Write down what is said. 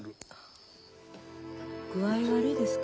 具合悪いですか？